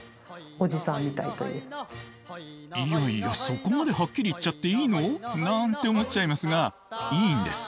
いやいやそこまでハッキリ言っちゃっていいの？なんて思っちゃいますがいいんです。